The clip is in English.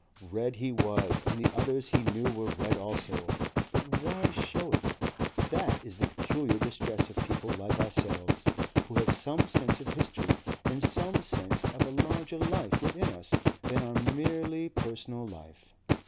Red he was and the others he knew were red also, but why show it? That is the peculiar distress of people like ourselves, who have some sense of history and some sense of a larger life within us than our merely personal life.